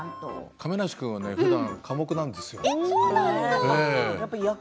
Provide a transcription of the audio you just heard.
亀梨君は、ふだん寡黙なんですよ。